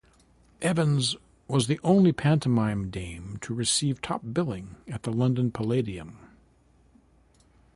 Evans was the only pantomime dame to receive top billing at the London Palladium.